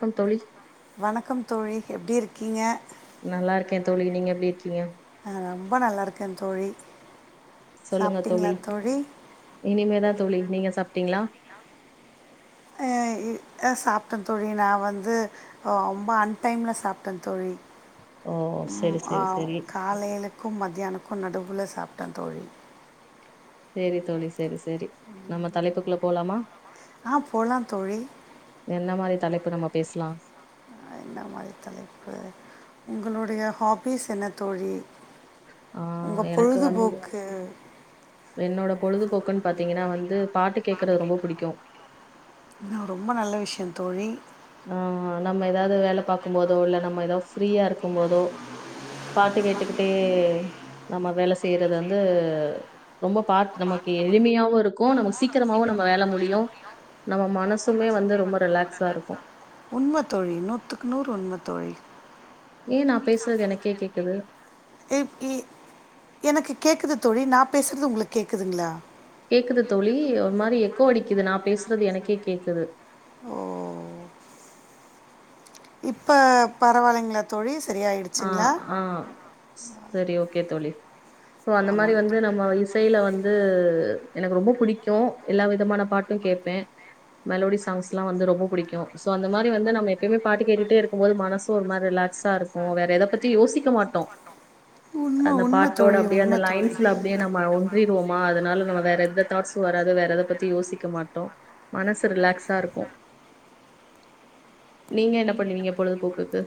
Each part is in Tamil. க்கம் தோழி வணக்கம் தோழி எப்டி இருக்கீங்க நல்லாருக்கே தோழி நீங்க எப்டி இருக்கீங்க நான் ரொம்ப நல்லாருக்கே தோழி சொல்லுங்க தோழி இனிமேதா தோழி நீங்க சாப் டிங்ளா அ சாப்ட்டே தோழி நா வந்து ரொம்ப அன்டைம்ல சாப்ட்டே தோழி ஓ செரி ம் ஆ செரி செரி காலையிலக்கும் மத்தியானக்கும் நடுவு உள்ள சாப்ட்டே தோழி சேரி தோழி சேரி சேரி நம்ம தலைப்புக்குள்ள போலாமா ஆ போலாம் தோழி ப நம்ம பேசலா என்ன மாதிரி தலைப்பு உங்களுடைய ஹாபீஸ் என்ன தோழி ஆ உங்க எனக்கு வந்து பொழுதுபோக்கு என்னோட பொழுதுபோக்குன்னு பாத்தீங்கன்னா வந்து பாட்டு கேட் கேக்கிறது ரொம்ப பிடிக்கும் ரொம்ப நல்ல விஷயம் தோழி ஆஹ் நம்ம ஏதாவது வேலை பார்க்கும் போதோ இல்ல நம்ம ஏதாவது ஃப்ரீயா இருக்கும் போதோ பாட்டு கேட்டுக்கிட்டே நம்ம வேலை செய்யறது வந்து ரொம்ப பா நமக்கு எளிமையாவும் இருக்கும் நம்ம சீக்கிரமாவும் நம்ம வேலை முடியும் நம்ம மனசுமே வந்து ரொம்ப ரிலாக்ஸா இருக்கும் உண்மைத்தோழி நூற்றுக்கு நூறு உண்மைத்தோழி ஏன் நான் பேசுறது எனக்கே கேக்குது எனக்கு கேக்குது தோழி நான் பேசுறது உங்களுக்கு கேக்குதுங்களா கேக்குது தோழி ஒரு மாதிரி எக்கோ அடிக்குது நான் பேசுறது எனக்கே கேக்குது ஓ இப்ப பரவாயில்லைங்களா தோழி ஆ, சரியாயிடுச்சுங்களா ஆ. சரி ஓகே தோழி சோ அந்த மாதிரி ஆமாங்க வந்து நம்ம இசையில வந்து எனக்கு ரொம்ப பிடிக்கும் எல்லா விதமான பாட்டும் கேட்பேன் மெலோடி சாங்ஸ் எல்லாம் வந்து ரொம்ப புடிக்கும் சோ அந்த மாதிரி வந்து நம்ம எப்பயுமே பாட்டு கேட்டுட்டே இருக்கும் போது மனசும் ஒரு மாதிரி ரிலாக்ஸா இருக்கும் ம் வேற எத பத்தி யோசிக்க மாட்டோம் உண்மை அந்த உண்மை பாட்டோட தோழி அப்படியே அந்த உண்மை தோழி லைன்ஸ்ல அப்படியே நம்ம செய்றோமா அதனால நம்ம வேற எந்த தாட்ஸும் வராது வேற எத பத்தி யோசிக்க மாட்டோம் மனசு ரிலாக்ஸா இருக்கும் நீங்க என்ன பண்ணுவீங்க பொழுதுபோக்குக்கு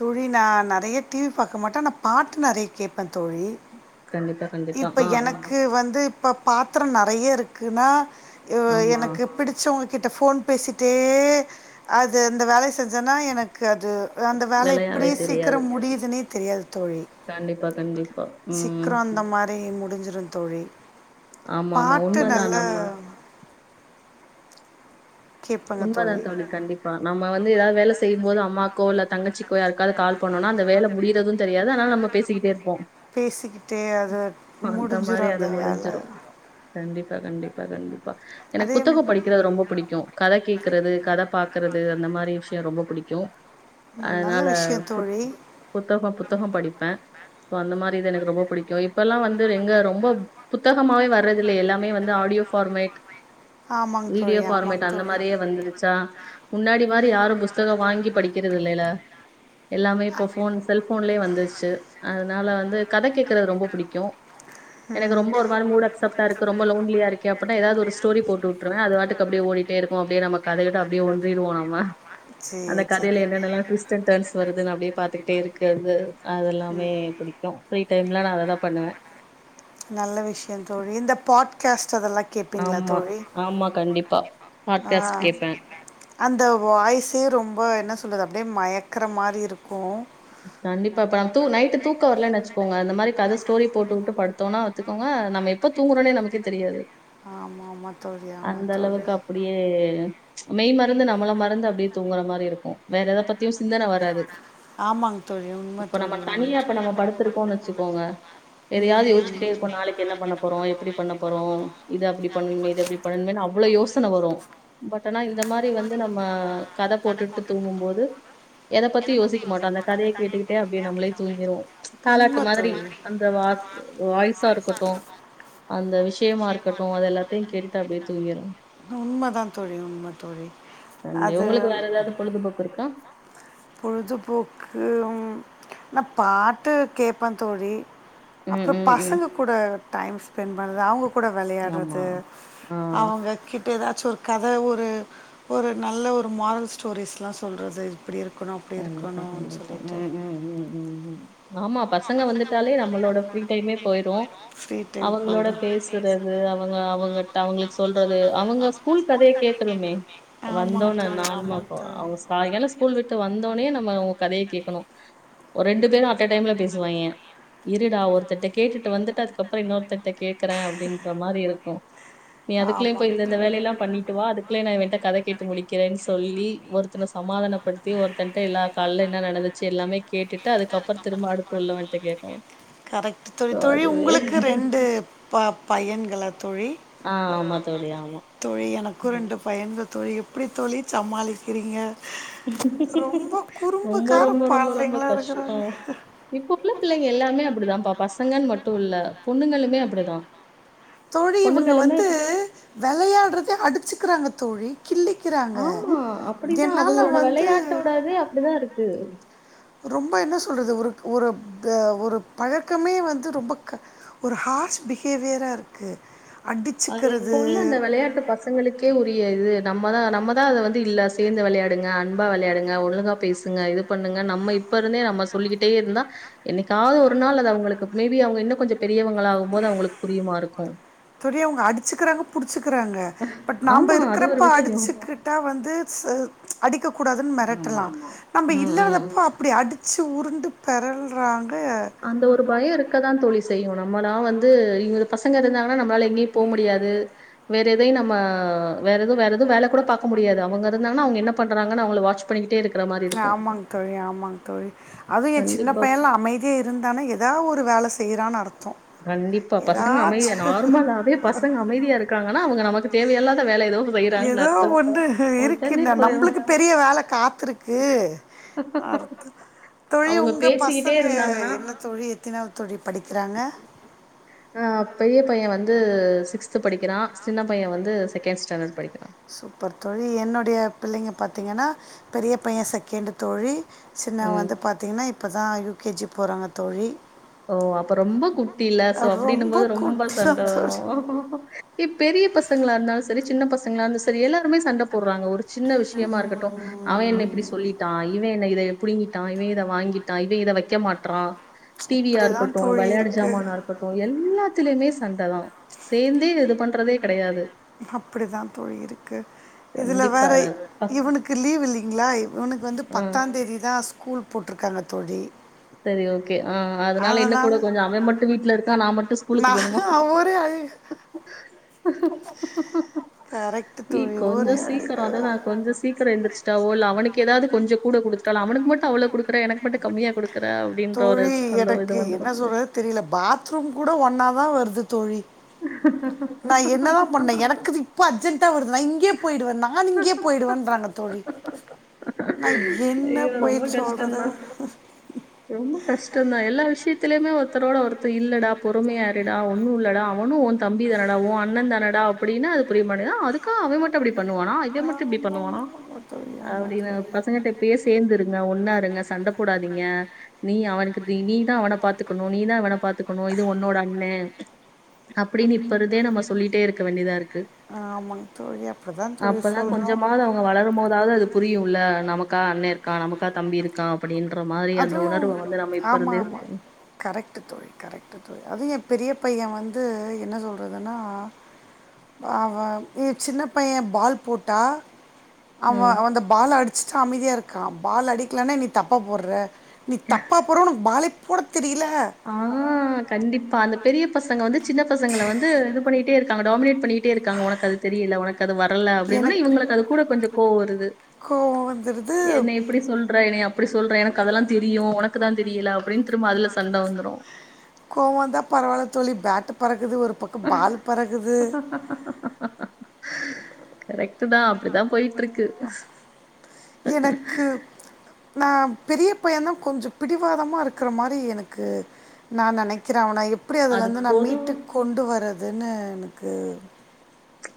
தோழி நான் நிறைய டிவி பார்க்க மாட்டேன் நா பாட்டு நிறைய கேப்பேன் தோழி கண்டிப்பா கண்டிப்பா இப்ப ஆ ஆ எனக்கு வந்து இப்ப பாத்திரம் நிறைய இருக்குன்னா ஆமா எனக்கு பிடிச்சவங்க கிட்ட போன் பேசிட்டே அது அந்த வேலைய செஞ்சன்னா எனக்கு அது வேல எப்பிடி விளையாவே தெரியாது சீக்கிரம் முடியுதுன்னே தெரியாது தோழி கண்டிப்பா கண்டிப்பா ம் சீக்கிரம் அந்த மாரி அடிஞ்சிரும் தோழி ஆமா ஆமா பாட்டு நல்ல உண்மைதான் நம்ம உண்ம தான் தோழி கண்டிப்பா நம்ம நம்ம வந்து ஏதாவது வேல செய்யும்போது அம்மாக்கோ இல்ல தங்கச்சிக்கோ யாருக்காவது கால் பண்னோனா அந்த வேல முடியிறதும் தெரியாது ஆனாலூ நம்ம பேசிக்கிட்டே இருப்போம் பேசிக்கிட்டே அது அந்த மாதிரி முடிஞ்சிரும் அந்த அது வேல முடிஞ்சிரும் கண்டிப்பா கண்டிப்பா கண்டிப் பா எனக்கு அதே ம் புத்தஹோ படிக்கறது ரொம்போ புடிக்கு கத கேக்றது கத பாக்றது அந்த மாரி விஷயோ ரொம்போ புடிக்கு ம். நல்ல அதனால விஷயம் புத் தோழி. புத்தகோ புத்த புத்தகம் படிப்ப இப்போ அந்த மாரி தா எனக்கு ரொம்போ புடிக்கு இப்பல்லா வந்து எங்க ரொம்ப புத்தகமாவே வர்றது இல்ல எல்லாமே வந்து ஆடியோ பஃபார்மேட் ஆமாங் தோழி ஆமாங் அந்த மாரியே வந்துருச்சா முன்னாடி மாரி யாரு புஸ்தகோ வாங்கி படிக்கறது இல்லைல எல்லாமே இப்ப ஃபோன் செல்போன்லயே வந்துர்ச்சு அதனால வந்து கதை கேக்றது ரொம்போ புடிக்கு எனக்கு ம். ரொம்போ ஒரு மாரி மூடஸ் சாப்ட இருக்கு ரொம்பலோன்லியா இருக்கு அப்புன ஏதாவது ஒரு ஸ்டோரி போட்டு வுட்ருவ அதுவாட்டுக்கு அப்டியே ஓடி இருக்கு அப்டியே நம்ம கதையக்க அப்டியே ஒன்றிர்வோ நம்ம அந்த சேரி சேரி சேரி. கதைல என்னென்னல்லா ட்விஸ்ட் அன் டர்ன்ஸ் வருதுன்னு அப்டியே பாத்துக்கிட்டே இருக்கர்து அதெல்லாமே ம். புடிக்கு ஃப்ரீ டைம்ல நா அதத பண்ணுவ நல்ல விஷயோ தோழி இந்த பாட் காஸ் ஆமா ஆமா கண்டிப் ப்பா ஆஹ் அந்த வாய்ஸே ரொம்ப என்ன சொல்லது அப்டியே மயக் க்கற மாரி இருக்கு கண்டிப்பா இப்ப ந தூ நைட்டு் தூக்க வரலன்னு வெச்சுக்கோங்க இந்த மாரி கதை ஸ்டோரி போட்டுவுட்டு படுத்தோனா வத்துக்கோங்க நம்ம எப்ப தூங்கறோனே நமக்கே தெரியாது ஆமா தோழி ஆமா அந்த அளவுக்கு அப்டியே மெய் மறந்து நம்மள மறந்து அப்டியே தூங்குற மாரி இருக்கு வேற எத பத்தியு சிந்தன வராது ஆமாங்க தோழி உண்ம தோழி ச்சுக்கோங்க ம் எதயாவது யோச்சிட்டே இருப்போ நாலிக்கு என்ன பண்ண போறோ எப்டி பண்ணப் அப்பறோ இத அப்டி பண்ணணுமே இத இப்டி பண்ணணுமே னு அவ்லோ யோசன வரு பட் ஆனா இந்த மாரி வந்து நம்ம கத போட்டுட்டு தூங்கும் போது எத பத்தி யோசிக்க மாட்டோ அந்த கதைய கேட்டுகிட்டே அப்டியே நம்மளே துங்கிர்வோ தாலாட்டு உண்மை அலர்ட் மாதிரி அந்த வாச வாய்ஸா இருக்கட்டு அந்த விஷயமா இருக்கட்டு அது எல்லாத்தையு கேட்டுட்டு அப்டியே தூங்கிர் உண்மதா தோழி உண்ம தோழி அண்ட் அது உங்களுக்கு வேற ஏதாவது பொழுதுபோக்கு இருக்கா பொழுதுபோக்கு நா பாட்டு கேப்ப தோழி ம் அப்பரோ ம் ம் பசங்க கூட டைம்ஸ் தென் பண்ற அவுங்குக் கூட ஆமா வெளையாட்றது ஆ அவங்க கிட்டதா சோ கத ஒரு ஒரு நல்ல ஒரு மாரல் ஸ்டோரிஸ்லா சொல்றது இப்டிருக் கண்டிப்பா கண்டிப்பா ம் ம் ம் ம் ம் ஆமா பசங்க வந்துட்டாலே நம்மளோட ஃப்ரீ டைமே போயுரு ஃப்ரீ டைம் அவங்களோட போயிடும் பேசுறது அவங்க அவங் பட் அவங்ளுக்கு சொல்றது அவங்க ஸ்கூல் கதைய கேக்கணுமே ஆமாங்க வந்தோன்ன தோழி ஆமாங்க நாலுமாக்கோ தோழி அவுங்க சாய்ங்காலோ ஸ்கூல் விட் வந்தோனே நம்ம உ கதய கேக்கணு ஒரு ரெண்டு பேரு அட்ட டைம்ல பேசுவாய்ங்க இருடா ஒர்த்தன்ட்ட கேட்டுட்டு வந்துட்டு அதுக்கப்றோ இன்னொர்த்தன்ட்ட கேக்றே அப்படின்ற மாரி இருக்ஊ நீ அதுக்குள்ள போய் ஆமாங்க இந்த தோழி. இந்த வேலயல்லா பண்ணிட்டு வா அதுக் ள்ள நா இவன்ட கத கேட்டு முடிக்கிறேன் சொல்லி ஒர்த்தன சமாதானப்படுத் தி ஒருத்தன்ட்ட எல்லா கால்ல என்ன நடந்துச்சு எல்லாமே கேட்டுட்டு அதுக்கப்றோ திரும்ப அடுத்து உள்ளவன்ட்ட கேக்கணூ கரெக்ட் தோழி தோழி உங்ளுக்கு ரெண்டு ப பையன்களா தோழி ஆ ஆமா தோழி, ஆமா. தோழி எனக்கூ ம். ரெண்டு பையன்ங்க தோழி எப்டி தோழி சமாளிக்றீங்க ரொம்ப குறும்புக்கார ரொம்ப ரொம்ப ரொம்ப பாடலைங்களா கஷ்டோ இருக்கிறாங்க இப்போ உள்ள பிள்ளைங்க எல்லாமே அப்படிதாம்ப்பா பசங்கன் மட்டூ இல்ல பொண்ணுங்களுமே அப்டிதா தோழி இவுங்க வந்து வெளையாட்றதே அடிச்சுக்கிறாங்கத் தோழி கிள்ளிக்கிறாங்க ஆமா அப்டிதா என்னால் அவங்ளோட வந்து வெளயாட்டோடதே அப்டிதாருக் கு ரொம்ப என்ன சொல்றது ஒருக் ஒருப் க ஒரு பழக்கமே வந்து ரொம்ப க் ஒரு ஹார்ஷ் பிஹேவியரா இருக்கு அது இப்போ உள்ள அந்த வெளையாட்டு பசங்களுக்கே புரியாது நம்மதா நம்மதா அத வந்து இல்ல சேந்து வெளையாடுங்க அன்பா வெளையாடுங்க ஒழுங்கா பேசுங்க இது பண்ணுங்க நம்ம இப்பருந்தே நம்ம சொல்லிக்டேருந்தா என்னைக்காது ஒரு நாள் அது அவங்களுக்கு மேபி அவங்க இன்னு கொஞ்சோ பெரியவங்களா ஆகும்போது அவங்களுக்கு புரியுமா இருக்கூ தோழி அவுங்க அடிச்சுக்கிறாங்க புடுச் சுக்றாங்க பட் நாம ஆமா அது ஒரு இருக்றப்ப விஷயோ அடிச்சுக்கிட்டா வந்து அடிக்கக்கூட டாதுன் ஆமா மெரட்டலா நம்ம ம் ம் இல்லாதப்போ அப்டி அடிச் சு உருண்டு பெரல்றாங் அந்த ஒரு பயோ இருக்கதா தோழி செய்யூ நம்மளா வந்து இ பசங்க இருந்தாங்கனா நம்ளால எங்கயூ போக முடியாது வேற எதையூ நம்ம வேற எதுவூ வேற எதுவூ வேல கூட பாக்க முடியாது அவங்க இருந்தாங்க அவங்க என்ன பண்றாங்க அவங்கள வாட்ச் பண்ணிட்டே இரு ஆமாங் தோழி ஆமாங் தோழி அதுவூ ஏ சின்ன கண்டிப்பா பையன்லா அமைதியா இருந் துட்டான ஏதா ஒரு வேல செய்யறான்னு அர்த் கண்டிப்பா பசங்க அமைதி நார்மலாவே பசங்க அமைதியாருக் காங்கன்னா அவுங்க நமக்கு தேவல்லாத வேல ஏதோ செய்றாங்கன்னு ஏதோ அர்த்தம். ஒண்ணு உடனே இருக்குன்ன போயிரும். நம்மளுக்கு பெரிய வேல காத்துருக்கு அ தோழி அவங்க உங்க பேசிக்கிட்டே பசங்க இருந்தாங்கன்னா, என்ன தோழி எத்தினவு தொழி படிக்கிறாங்க ஆஹ் பெரிய பைய வந்து து சிக்ஸ்த் படிக்கிறா சின்ன பைய வந்து செகண்ட் ஸ்டாண்டர்ட் படிக்கிற சூப்பர் தோழி என்னுடைய பிள்ளைங்க பாத்தீங்கன்னா பெரிய பைய செகேண்டு் தோழி சின்னவ ம். வந்து பாத்தீங்கன்னா இப்ப தா யூ கே ஜி போறாங்க தோழி ஓ அப்ப ரொம்ப குட்டில சோ அப்டினும்போது ரொம்ப குட்டி சண்ட தான் வரு தோழி. இ பெரிய பச பசங்களா இருந்தாலு செரி சின்ன பசங்களா இருந்தும் செரி எல்லாருமே சண்ட போடுறாங்க ஒரு சின்ன விஷயமா இருக்கட்டு அவன் என்ன ம். இப்டி சொல்லிட்டா இவ என்ன இத புடிங்கிட்டா இவ இத வாங்கிட்டா இவேன் இத வக்க மாற்றா டிவியா இப்படிதான் இருக்கட்டு தோழி வளையாட்டு இருக்கு. ஜமானா இருக்கட்டு எல்லாத்திலமே சண்டதா சேர்ந்தே இதுது பண்றதே கெடையாது அப்டிதா தோழி இருக்கு இதுல கண்டிப்பா. வேற பஸ் இவனுக்கு லீவ் இல்லைங்களா இவனுக்கு வந்து ஆ பத்தாந்தேதி தா அ ஸ்கூல் போட்ருக்காங்க தோழி சரி ஓக் கு அஹ்ம் அதனால என்ன கூட கொஞ்ச அவ மட்டு வீட்டுல இருக்க நா மட்டு ஸ்கூலுக்கு போனுமா நான் ஒரே அழுக. கரெக்ட் தோழி. கொஞ்ச ஒரே சீக்கிர அழுக. அததா கொஞ்ச சீக்கிர எந்திரிச்சுட்டவோ இல்ல அவனுக்கு ஏதாவது கொஞ்ச கூட குடுத்துட்டாலு அவனு மட்டு அவள குடுக்கற எனக்கு மட்ட கம்மியா குடு தோழி எடக்கு என்ன சொல்றது தெரியல பாத்ரூம் கூட ஒன்னாவ் தா வருது தோழி நா என்னதா பண்ண எனக்கு இப்ப அர்ஜென்ண்டா வருது நா இங்கயே போயிடுவே நானு இங்கயே போயிடுவேன்றாங்க தோழி ந இப் என்ன ஐயோ ரொம்ப போயிட் சொல்றது கஷ்டம்தான் ரொம்ப கஷ்டந்தா எல்லா விஷயத்திலயுமே ஒருத்தரோட ஒருத்தர் இல்லடா பொறுமையாறிடா ஒன்னு இல்லடா அவனு உன் தம்பி தானடா உன் அண்ணன் தானடா அப்டின்னு அது புரிய மாட்டேதா அதுக்காக அவன் மட்டும் அப்டி பண்ணுவானா இத மட்டு இப்படி ஆமாம் பண்ணுவானா ஆமாம் தோழி ஆமாம் அப்டின்னு தோழி பசங்கிட்ட இ ப்படியே சேர்ந்து இருங்க ஒன்னா இருங்க சண்டை போடாதீங்க நீ அவனுக்கு தீனிப் நீதா அவன பாத்துக்கணு நீ தா அவன பாத்துக்கணு இது உன்னோட அண்ண அப்டின்னு இப்பறதே நம்ம சொல்லிட்டே இருக்க வேண்டியதா இருக்கு ஆமாங்க தோழி அப்படிதான் தோழி அப்பதா சொல்றோம் கொஞ்சமாவது அவங்க வளரும் போதாவது அது புரியுல நமக்கா அண்ணே இருக்கா நமக்கா தம்பி இருக்கா அப்படினு ன்ற மாரி அந் ஆமா ஆமா கரெக்ட் தோழி கரெக்ட்டு தோழி அது பெரிய பைய வந்து என்ன சொல்றதுன அவ சின்ன பைய பால் போட்டா அவ ம் அந்த பால் அடிச்சுட்டு அமைதியா இரு கா பால் அடிக்கலனா இனி தப்பா போர்ற நீ தப்பா போறவனுக்கு பாலே போட தெரியல ஆ கண்டிப்பா பா அந்த பெரிய பசங்க வந்து சின்ன பசங்கள வந்து இது பண்ணிட்டே இருக்காங்க டாமினேட் பண்ணிட்டு டே இருக்காங்க உனக்கு அது தெரியில உனக்கு அது வரல அப்படின்ன ஒனே எனக்கு இவுங்களுக்கு அது கூட கொஞ்சோ கோவ வருது கோவம் வந்துடுது என்ன எப்டி சொல்ற எனைய அப்படி சொல்றே எனக்கு அதெல்லா தெரியு உனக்கு தா தெரியில அப்டின் திரு கோவந்தா பரவால தோழி பேட் து ஒரு பக்க பால் பறக்குது கரெக்ட் தா அப்படிதா போயிட்டு இருக் எனக்கு நா பெரிய இப்போ என்ன கொஞ்ச பிடிவாதமா இருக்கிற மாரி எனக்கு நா நெனைக்கிறே அவன எப்டி அது அதுலருந்து நா பொதும் மீட்டு கொண்டு வரத் அதென்ன எனக்கு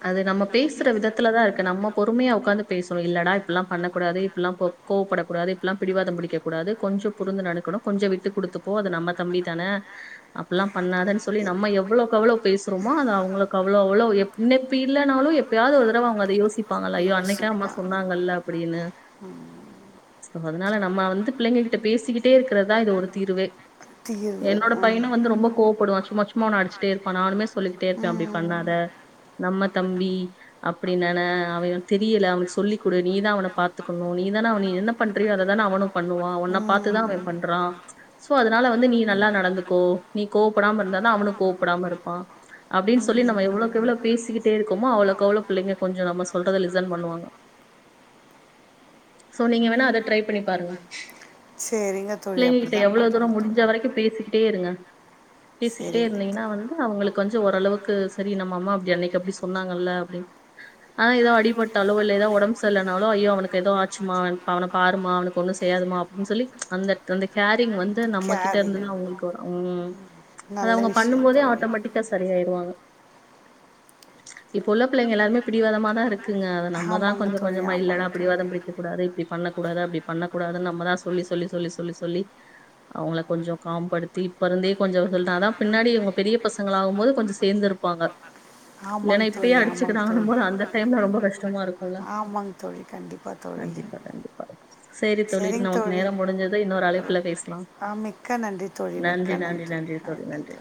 அது நம்ம பேசுற விதத்துலதா இருக்கு நம்ம பொறுமையா ஒக்காந்து பேசணு இல்லனா இப்பெல்லா பண்ணக்கூடாது இப்பெல்லா கோ கோவப்படக்கூடாது இப்பெல்லா பிடிவாத பிடிக்க கூடாது கொஞ்ச பொருந்து நடக்கணு கொஞ்ச விட்டு குடுத்துப்போ அது நம்ம தம்பி தான அப்பெல்லா பண்ணாதன் சொல்லி நம்ம எவ்ளோவுக் எவ்ளோ பேசுறோமோ அது அவுங்களுக்கு அவ்ளோ அவ்ளோ இனப்பி இல்லனாலு எப்பயாவது ஒரு தரவ அவுங்க அத யோசிப் ப்பாங்கள ஐயோ அன்னைக்கே அம்மா யோசிப்பேன். சொன்னாங்கல்ல அப்படின்னு அதனால நம்ம வந்து பிள்ளைங்ககிட்ட பேசிக்கிட்டே இருக்கிறதா இது ஒரு தீர்வு தீர்வு என்னோட ம். பையன வந்து ரொம்ப கோவப்படுவா சும்மா சும்மா அவன அடிச்சிட்டே இருப்பே நானுமே சொல்லிக்கிட்டே இருப்பே அப்டி பண்ணாத நம்ம தம்பி அப்படின் நென அவனுக்கு தெரியில அவனுக்கு சொல்லி் கொடு நீதா அவன பாத்துக்கணு நீ தான அவன என்ன பண்றியோ அத தான அவனு பண்ணுவா உன்ன ம். பத்துதா ம். அவ ம். பண்றா சோ அதனால வந்து நீ நல்லா நடந்துக்கோ நீ கோப் படாம இருந்தா தா அவனு கோவ்படாம இருப்பா அப்டின்னு சொல்லி நம்ம எ்வளோ எவ்ளோ பேசிக்கிட்டே இருக்கமோ அவ்ளோ கவுளோ பிள்ளைங்க கொஞ்ச நம்ம சொல்றத லிசன் பண்ணுவாங்க சோ நீங்க வேணா அத ட்ரை பண்ணி பாருங்க சரிங்க தோழி அப்படி பிள்ளைங்ககிட்ட தான் எவ்வளோ தூர பண்ணுறேங்க முடிஞ்ச தோழி வரைக்கு பேசிக்கிட்டே இருங்க பேசிக்கிட்டே சரிங்க இருந்தீங்ன்னா தோழி வந்து அவுங்களுக்கு கொஞ்ச ஓரளவுக்கு செரி நம் அம்மா அப்டி அன்னைக்கு அப்டி சொன்னாங்கல்ல ஆ ஏதோ அடிபட்டாலோ இல்ல ஏதோ ஒடம்பு செர்லனாலோ ஐயோ அவனுக்கு ஏதோ ஆச்சுமா அவன பாருமா அவக்கு ஒண்ணு செய்யாதுமா அப்பிடின் சொல்லி அந்த அந்த கேரிங் வந்த் இது நம்மக்கிட்ட கேரிங் இருந்துதா அவ்ங்களுக்கு வரு உம் அது நல்ல அவ்ங்க பண்ணும் விஷயம் போதே தோழி ஆட்டோமேட்டிக்கா சரியாயிரு இப்ப உள்ள பிள்ளைங்க எல்லாமே பிடிவாதமாதா இருக் குங்க அத நம்மதா ஆமாங்க கொஞ்ச தோழி கொஞ்சமா ஆமாங்க இல்லடா தோழி பிடிவாதம் பிடிக்க கூடாது இப்டி பண்ணக் கூடாது அப்டி பண்ணக்கூடாதுன் நம்மதா சொல்லி சொல்லி சொல்லி சொல்லி சொல்லி அவ்ங்கள கொஞ்சோ காம்படுத்தி இப்பருந்தே கொஞ்ச சொல்ட்டாதா பின்னாடி இவ்ங்க பெரிய பசங்களாவகும்போது கொஞ்ச சேந்துருப் ப்பாங்க இல்லேனா ஆமாங்க இப்பயே தோழி ஆமாங்க தோழி அடிச்சிக்கிறாங்கனும் போது அந்த டைம்ல ரொம்ப கஷ்டமா இருக்குல ஆமாங்க தோழி கண்டிப்பாக தோழி கண்டிப்பா கண்டிப்பா சேரி தோழிட் சரிங்க நமக்கு தோழி நேரம் முடிஞ்சது இன்னொரு அழைப்புல பேஸ்லா ஆ மிக்க நன்றி தோழி மிக்க நன்றி நன்றி நன்றி தோழி ஓகே நன்றி